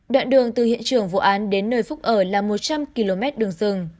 đoạn đường từ hiện trường vụ án đến nơi phúc ở là một trăm linh km đường rừng